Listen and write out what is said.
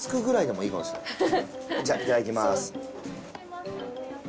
じゃあいただきます。